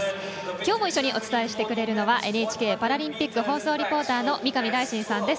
きょうも一緒にお伝えしてくれるのはＮＨＫパラリンピック放送リポーターの三上大進さんです。